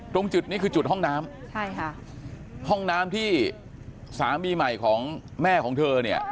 ตรงจุดนี้คือจุดห้องน้ำใช่ค่ะห้องน้ำที่สามีใหม่ของแม่ของเธอเนี่ย